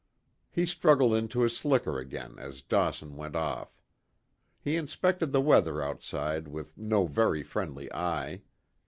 He struggled into his slicker again as Dawson went off. He inspected the weather outside with no very friendly eye.